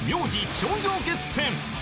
頂上決戦